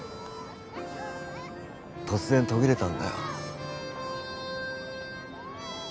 突然途切れたんだよ